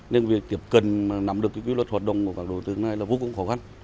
nên việc tiếp cận nắm được cái quy luật hoạt động của các đối tượng này là vô cùng khó khăn